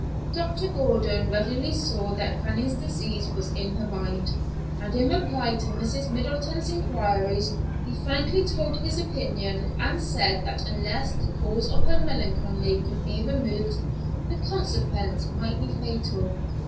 Dr. Gordon readily saw that Fanny's disease was in her mind, and in reply to Mrs. Middleton's inquiries, he frankly told his opinion, and said that unless the cause of her melancholy could be removed, the consequence might be fatal.